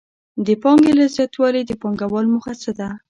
د پانګې له زیاتوالي د پانګوال موخه څه ده